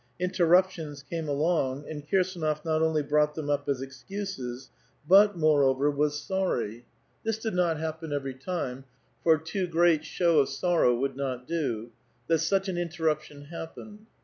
Interruptions came along, and Kir ^*^of not only brought them up as excuses, but, moreover, 228 A VITAL QUESTION. was sorry (this did not liappen every time, for too great show of sorrow would not do) that such an interruption happened.